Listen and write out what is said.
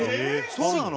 そうなの？